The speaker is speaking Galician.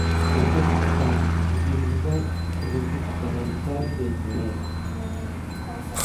Entón votamos en primeiro lugar a do Grupo Parlamentario de En Marea.